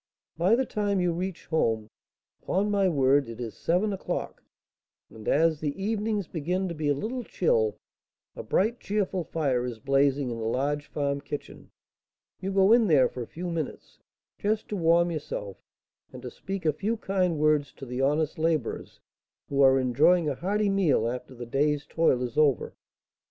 By the time you reach home, upon my word, it is seven o'clock; and, as the evenings begin to be a little chill, a bright, cheerful fire is blazing in the large farm kitchen; you go in there for a few minutes, just to warm yourself and to speak a few kind words to the honest labourers, who are enjoying a hearty meal after the day's toil is over.